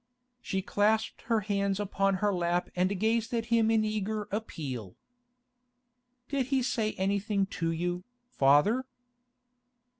She clasped her hands upon her lap and gazed at him in eager appeal. 'Did he say anything to you, father?